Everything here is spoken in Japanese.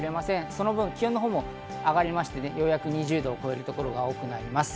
その分、気温も上がって、ようやく２０度を超える所が多くなります。